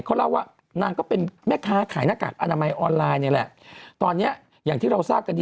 เขาเล่าว่านางก็เป็นแม่ค้าขายหน้ากากอนามัยออนไลน์นี่แหละตอนเนี้ยอย่างที่เราทราบกันดี